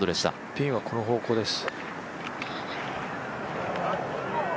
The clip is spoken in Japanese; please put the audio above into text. ピンはこの方向です。